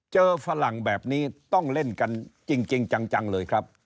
ฝรั่งแบบนี้ต้องเล่นกันจริงจังเลยครับ